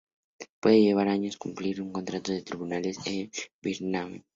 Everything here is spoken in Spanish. Puede llevar años hacer cumplir un contrato en los tribunales de Birmania.